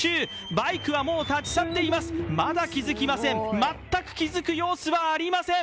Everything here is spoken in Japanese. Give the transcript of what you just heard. バイクはもう立ち去っています、まだ気付きません、全く気付く様子はありません。